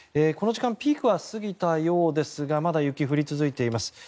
この時間ピークは過ぎたようですがまだ雪は降り続いています。